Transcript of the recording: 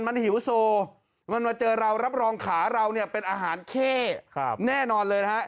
มันหิวโซมันมาเจอเรารับรองขาเราเนี่ยเป็นอาหารเข้แน่นอนเลยนะฮะ